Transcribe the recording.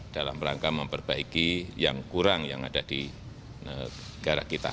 dalam rangka memperbaiki yang kurang yang ada di negara kita